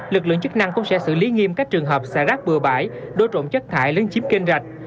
lực lượng chức năng cũng sẽ xử lý nghiêm các trường hợp xả rác bừa bãi đối trộm chất thải lấn chiếm kênh rạch